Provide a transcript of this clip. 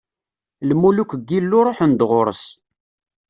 Lmuluk n Yillu ṛuḥen-d ɣur-s.